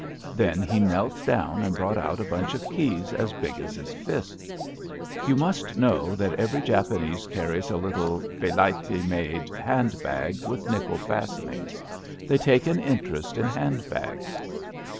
'' Then he knelt down and brought out a bunch of keys as big as his fist. You must know that every Japanese carries a little helaiti mside handbag with nickel fastenings. They take an interest in handbags.